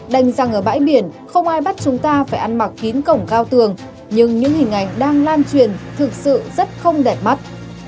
đành rằng ở bãi biển không ai bắt chúng ta phải ăn mặc kín cổng cao tường nhưng những hình ảnh đang lan truyền thực sự rất không đẹp mắt